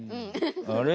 あれ？